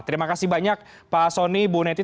terima kasih banyak pak soni bu neti